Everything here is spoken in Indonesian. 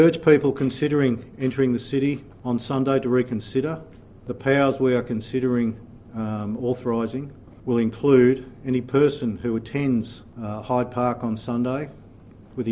jika mereka berusaha untuk melakukannya itu adalah salah